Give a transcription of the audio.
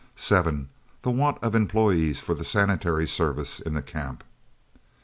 7. The want of employees for the sanitary service in the Camps.